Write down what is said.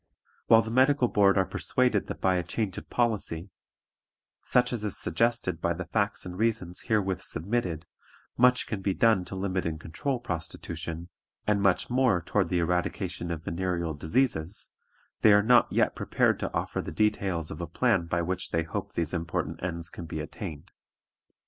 "While the Medical Board are persuaded that by a change of policy, such as is suggested by the facts and reasons herewith submitted, much can be done to limit and control prostitution, and much more toward the eradication of venereal diseases, they are not yet prepared to offer the details of a plan by which they hope these important ends can be attained.